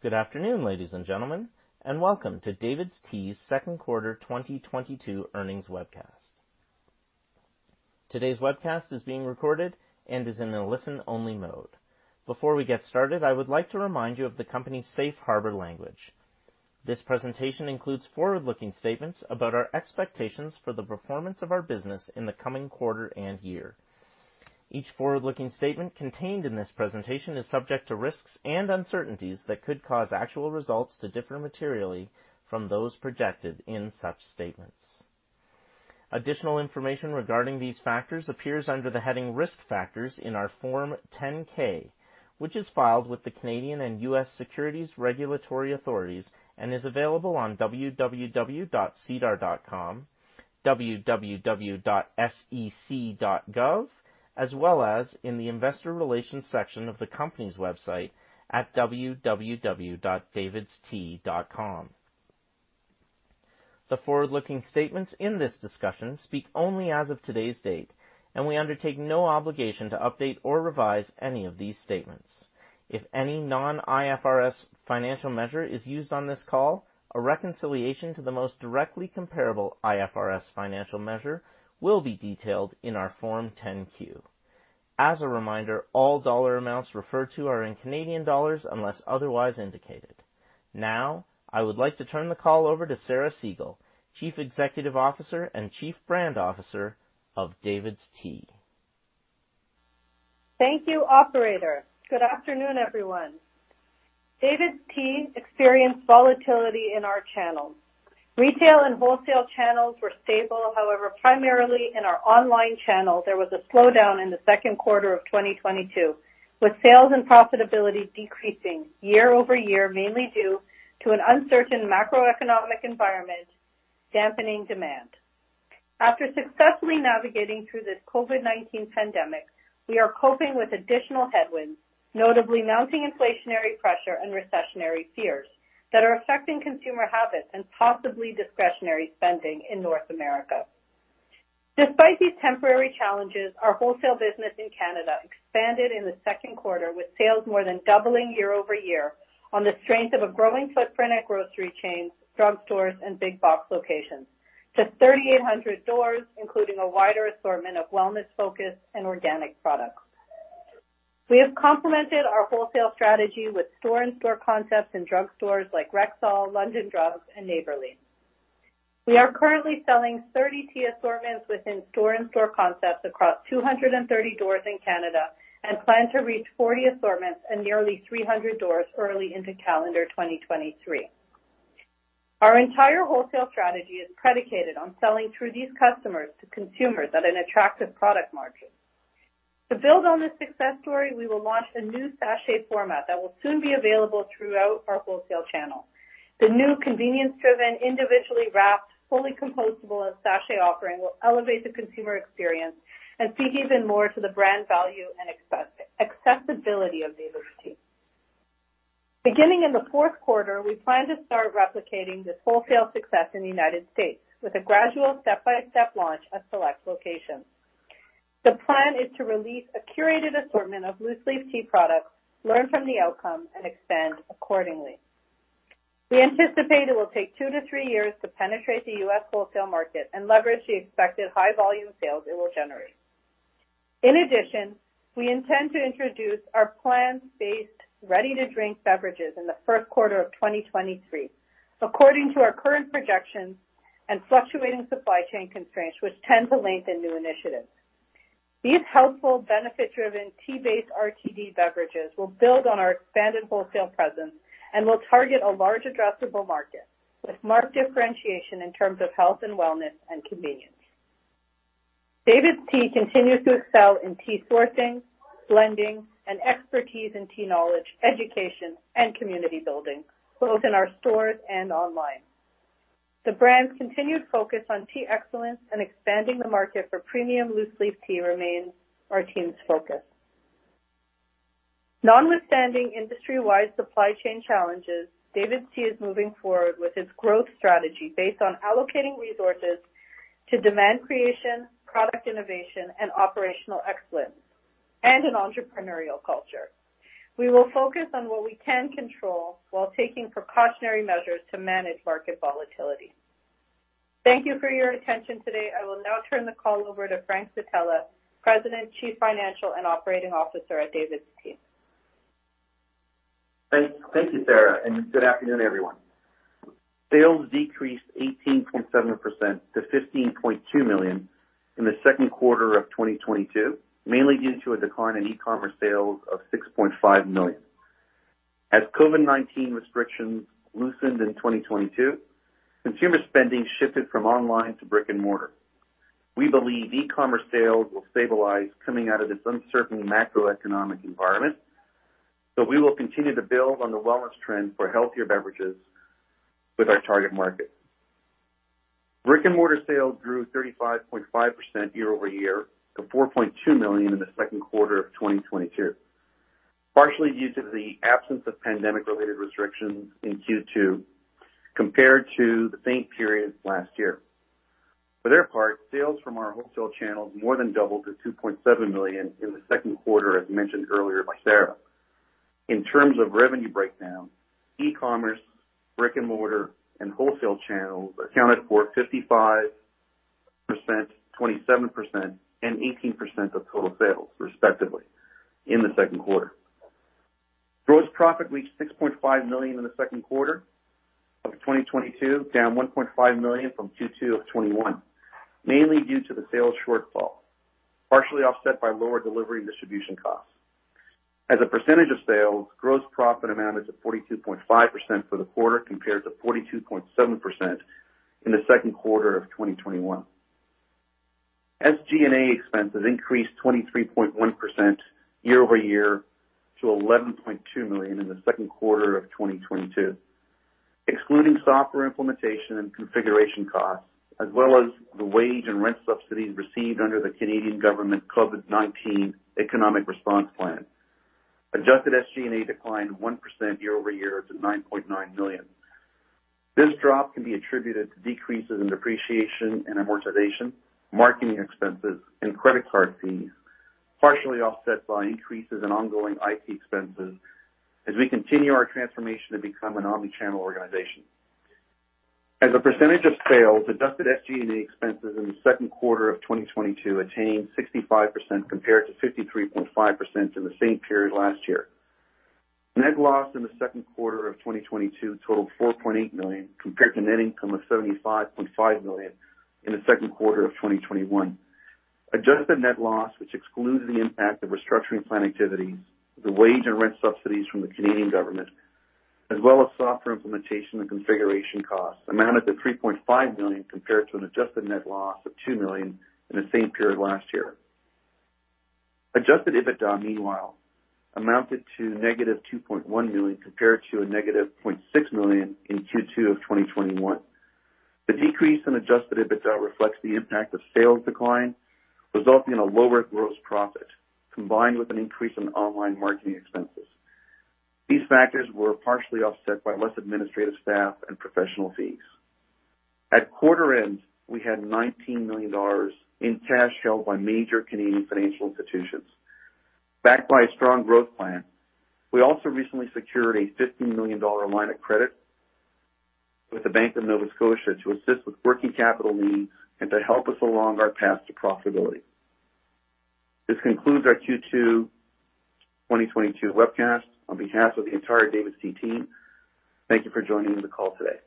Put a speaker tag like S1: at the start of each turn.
S1: Good afternoon, ladies and gentlemen, and welcome to DAVIDsTEA Second Quarter 2022 Earnings webcast. Today's webcast is being recorded and is in a listen-only mode. Before we get started, I would like to remind you of the company's safe harbor language. This presentation includes forward-looking statements about our expectations for the performance of our business in the coming quarter and year. Each forward-looking statement contained in this presentation is subject to risks and uncertainties that could cause actual results to differ materially from those projected in such statements. Additional information regarding these factors appears under the heading Risk Factors in our Form 10-K, which is filed with the Canadian and U.S. securities regulatory authorities and is available on www.sedar.com, www.sec.gov, as well as in the investor relations section of the company's website at www.davidstea.com. The forward-looking statements in this discussion speak only as of today's date, and we undertake no obligation to update or revise any of these statements. If any non-IFRS financial measure is used on this call, a reconciliation to the most directly comparable IFRS financial measure will be detailed in our Form 10-Q. As a reminder, all dollar amounts referred to are in Canadian dollars unless otherwise indicated. Now, I would like to turn the call over to Sarah Segal, Chief Executive Officer and Chief Brand Officer of DAVIDsTEA.
S2: Thank you, operator. Good afternoon, everyone. DAVIDsTEA experienced volatility in our channels. Retail and wholesale channels were stable. However, primarily in our online channel, there was a slowdown in the second quarter of 2022, with sales and profitability decreasing year-over-year, mainly due to an uncertain macroeconomic environment dampening demand. After successfully navigating through this COVID-19 pandemic, we are coping with additional headwinds, notably mounting inflationary pressure and recessionary fears that are affecting consumer habits and possibly discretionary spending in North America. Despite these temporary challenges, our wholesale business in Canada expanded in the second quarter, with sales more than doubling year-over-year on the strength of a growing footprint at grocery chains, drugstores, and big box locations to 3,800 doors, including a wider assortment of wellness-focused and organic products. We have complemented our wholesale strategy with store-in-store concepts in drugstores like Rexall, London Drugs, and Neighbourly. We are currently selling 30 tea assortments within store-in-store concepts across 230 doors in Canada, and plan to reach 40 assortments in nearly 300 doors early into calendar 2023. Our entire wholesale strategy is predicated on selling through these customers to consumers at an attractive product margin. To build on this success story, we will launch a new sachet format that will soon be available throughout our wholesale channel. The new convenience-driven, individually wrapped, fully compostable sachet offering will elevate the consumer experience and speak even more to the brand value and accessibility of DAVIDsTEA. Beginning in the fourth quarter, we plan to start replicating this wholesale success in the United States with a gradual step-by-step launch at select locations. The plan is to release a curated assortment of loose leaf tea products, learn from the outcome, and expand accordingly. We anticipate it will take two to three years to penetrate the U.S. wholesale market and leverage the expected high volume sales it will generate. In addition, we intend to introduce our plant-based ready-to-drink beverages in the first quarter of 2023 according to our current projections and fluctuating supply chain constraints, which tend to lengthen new initiatives. These healthful, benefit-driven, tea-based RTD beverages will build on our expanded wholesale presence and will target a large addressable market with marked differentiation in terms of health and wellness and convenience. DAVIDsTEA continues to excel in tea sourcing, blending, and expertise in tea knowledge, education, and community building, both in our stores and online. The brand's continued focus on tea excellence and expanding the market for premium loose leaf tea remains our team's focus. Notwithstanding industry-wide supply chain challenges, DAVIDsTEA is moving forward with its growth strategy based on allocating resources to demand creation, product innovation, and operational excellence, and an entrepreneurial culture. We will focus on what we can control while taking precautionary measures to manage market volatility. Thank you for your attention today. I will now turn the call over to Frank Zitella, President, Chief Financial and Operating Officer at DAVIDsTEA.
S3: Thank you, Sarah, and good afternoon, everyone. Sales decreased 18.7% to 15.2 million in the second quarter of 2022, mainly due to a decline in e-commerce sales of 6.5 million. As COVID-19 restrictions loosened in 2022, consumer spending shifted from online to brick-and-mortar. We believe e-commerce sales will stabilize coming out of this uncertain macroeconomic environment, so we will continue to build on the wellness trend for healthier beverages with our target market. Brick-and-mortar sales grew 35.5% year-over-year to 4.2 million in the second quarter of 2022, partially due to the absence of pandemic-related restrictions in Q2 compared to the same period last year. For their part, sales from our wholesale channels more than doubled to 2.7 million in the second quarter, as mentioned earlier by Sarah. In terms of revenue breakdown, e-commerce, brick-and-mortar, and wholesale channels accounted for 55%, 27%, and 18% of total sales, respectively, in the second quarter. Gross profit reached 6.5 million in the second quarter of 2022, down 1.5 million from Q2 of 2021, mainly due to the sales shortfall, partially offset by lower delivery and distribution costs. As a percentage of sales, gross profit amounted to 42.5% for the quarter compared to 42.7% in the second quarter of 2021. SG&A expenses increased 23.1% year over year to 11.2 million in the second quarter of 2022. Excluding software implementation and configuration costs, as well as the wage and rent subsidies received under Canada's COVID-19 Economic Response Plan, adjusted SG&A declined 1% year-over-year to 9.9 million. This drop can be attributed to decreases in depreciation and amortization, marketing expenses, and credit card fees, partially offset by increases in ongoing IT expenses as we continue our transformation to become an omni-channel organization. As a percentage of sales, adjusted SG&A expenses in the second quarter of 2022 attained 65% compared to 53.5% in the same period last year. Net loss in the second quarter of 2022 totaled 4.8 million compared to net income of 75.5 million in the second quarter of 2021. Adjusted net loss, which excluded the impact of restructuring plan activities, the wage and rent subsidies from the Canadian government, as well as software implementation and configuration costs, amounted to 3.5 million compared to an adjusted net loss of 2 million in the same period last year. Adjusted EBITDA, meanwhile, amounted to -2.1 million compared to -0.6 million in Q2 of 2021. The decrease in adjusted EBITDA reflects the impact of sales decline, resulting in a lower gross profit, combined with an increase in online marketing expenses. These factors were partially offset by less administrative staff and professional fees. At quarter end, we had 19 million dollars in cash held by major Canadian financial institutions. Backed by a strong growth plan, we also recently secured a 15 million dollar line of credit with the Bank of Nova Scotia to assist with working capital needs and to help us along our path to profitability. This concludes our Q2 2022 webcast. On behalf of the entire DAVIDsTEA team, thank you for joining the call today.